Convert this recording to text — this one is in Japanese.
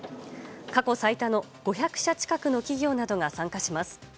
過去最多の５００社近くの企業などが参加します。